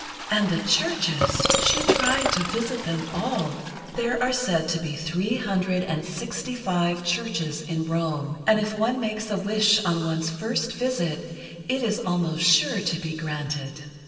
And the churches—she tried to visit them all! There are said to be three hundred and sixty five churches in Rome, and if one makes a wish on one's first visit it is almost sure to be granted.